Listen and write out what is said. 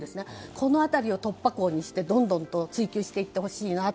この辺りを突破口にして追及していってほしいなと。